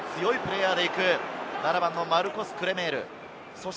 ７番はマルコス・クレメール。